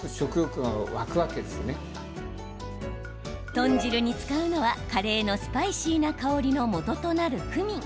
豚汁に使うのはカレーのスパイシーな香りのもととなるクミン。